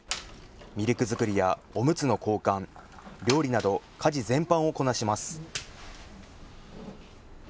ミルク作りやおむつの交換、料理など家事全般をこなします。